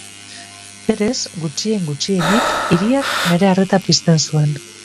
Berez, gutxien-gutxienik, hiriak nire arreta pizten zuen.